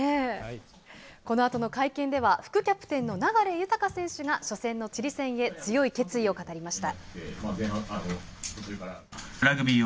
このあとの会見では、副キャプテンの流大選手が初戦のチリ戦へ、強い決意を語りました。